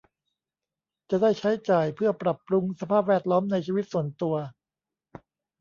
จะได้ใช้จ่ายเพื่อปรับปรุงสภาพแวดล้อมในชีวิตส่วนตัว